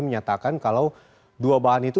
menyatakan kalau dua bahan itu